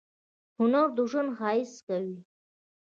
هنر ژوند ښایسته کوي